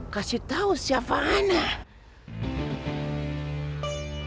kasih tahu siapa anak